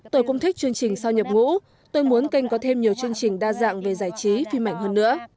tôi cũng thích chương trình sau nhập ngũ tôi muốn kênh có thêm nhiều chương trình đa dạng về giải trí phim ảnh hơn nữa